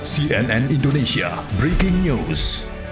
cnn indonesia breaking news